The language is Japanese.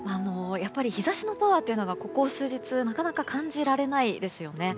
やっぱり日差しのパワーがここ数日なかなか感じられないですよね。